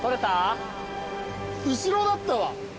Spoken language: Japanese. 後ろだったわ。